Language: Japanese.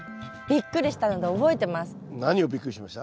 びっくりしたので覚えてます。